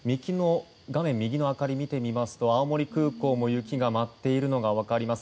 画面右の明かりを見てみますと青森空港も雪が舞っているのが分かります。